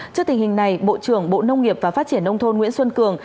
trước tình hình này bộ trưởng bộ nông nghiệp và phát triển nông thôn nguyễn xuân cường